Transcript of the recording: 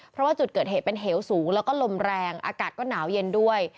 เพราะว่าจุดเกิดเหตุเป็นเหวสูงแล้วก็ลมแรงอากาศก็หนาวเย็นด้วย